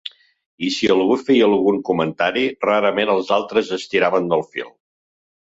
I si algú feia algun comentari, rarament els altres estiraven del fil.